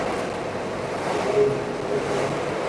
তাহলে ওপরে বসে আমরা যতই ভালো কাজ করি কিছুই হবে না।